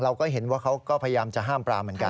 เราก็เห็นว่าเขาก็พยายามจะห้ามปรามเหมือนกัน